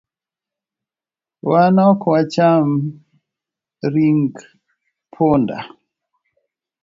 Wan ok wacham ring punda